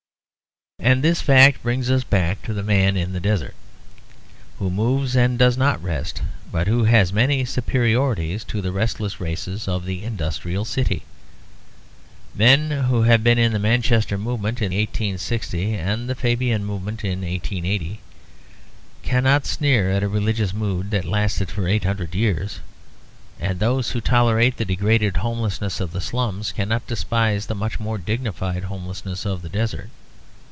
And this fact brings us back to the man of the desert, who moves and does not rest; but who has many superiorities to the restless races of the industrial city. Men who have been in the Manchester movement in 1860 and the Fabian movement in 1880 cannot sneer at a religious mood that lasted for eight hundred years. And those who tolerate the degraded homelessness of the slums cannot despise the much more dignified homelessness of the desert.